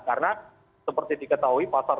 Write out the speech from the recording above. karena seperti diketahui pasar tradisional